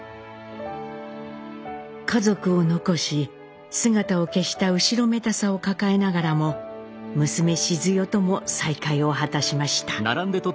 家族を残し姿を消した後ろめたさを抱えながらも娘シズヨとも再会を果たしました。